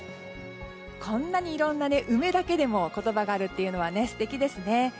こんなにいろんな梅だけでも言葉があるのは素敵ですね。